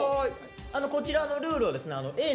こちらのルールはですねＡぇ！